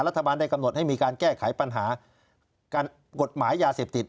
รัฐบาลได้กำหนดให้มีการแก้ไขปัญหากฎหมายยาเสพติด